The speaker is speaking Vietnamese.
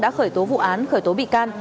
đã khởi tố vụ án khởi tố bị can